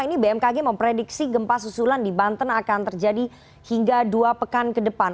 ini bmkg memprediksi gempa susulan di banten akan terjadi hingga dua pekan ke depan